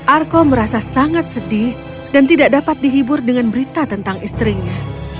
arko merasa sangat sedih dan tidak dapat dihibur dengan berita tentang istrinya